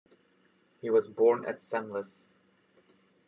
He was born at Senlis.